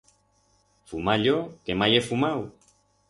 Fumar yo, que mai he fumau!